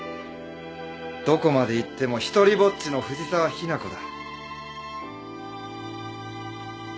どこまでいっても独りぼっちの藤沢日奈子だ。